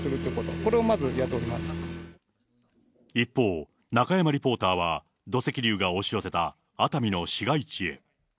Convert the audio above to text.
これをまずや一方、中山リポーターは、土石流が押し寄せた熱海の市街地へ。